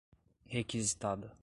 requisitada